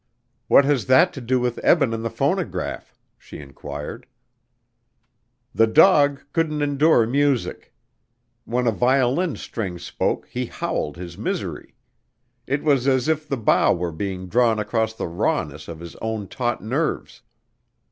"What has that to do with Eben and the phonograph?" she inquired. "The dog couldn't endure music. When a violin string spoke, he howled his misery. It was as if the bow were being drawn across the rawness of his own taut nerves....